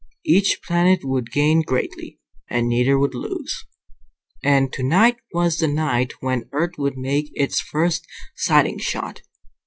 Each planet would gain greatly, and neither would lose. And tonight was the night when Earth would make its first sighting shot.